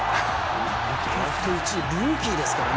ドラフト１位ルーキーですからね